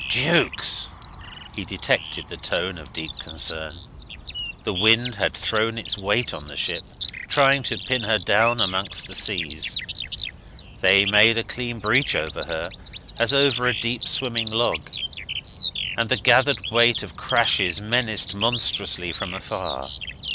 Jukes!" He detected the tone of deep concern. The wind had thrown its weight on the ship, trying to pin her down amongst the seas. They made a clean breach over her, as over a deep swimming log; and the gathered weight of crashes menaced monstrously from afar.